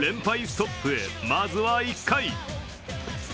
ストップへ、まずは１回。